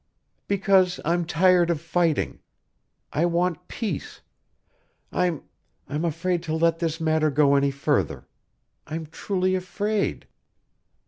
"Because I'm tired of fighting. I want peace. I'm I'm afraid to let this matter go any further. I'm truly afraid."